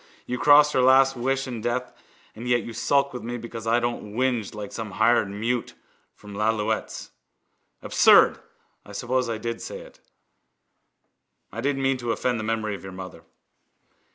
You crossed her last wish in death and yet you sulk with me because I don't whinge like some hired mute from Lalouette's. Absurd! I suppose I did say it. I didn't mean to offend the memory of your mother.